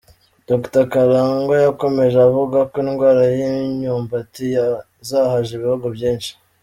Dr Karangwa yakomeje avuga ko indwara y’imyumbati yazahaje ibihugu byinshi.